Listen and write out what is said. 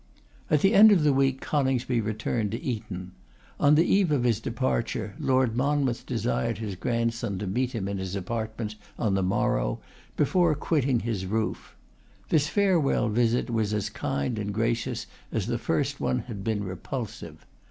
At the end of the week, Coningsby returned to Eton. On the eve of his departure, Lord Monmouth desired his grandson to meet him in his apartments on the morrow, before quitting his roof. This farewell visit was as kind and gracious as the first one had been repulsive.